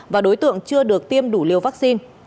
và đối tượng chưa được tiêm đủ liều vắc xin